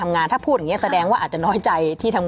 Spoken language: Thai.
เพราะว่าคุณทวีปเนี่ยบอกว่า